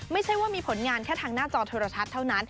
ไม่ใช่ว่ามีผลงานแค่ทางหน้าจอโทรทัศน์เท่านั้น